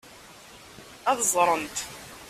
Ad ẓrent.